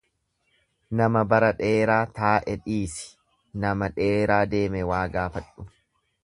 Nama bara dheeraa taa'e dhiisi, nama dheeraa deeme waa gaafadhu.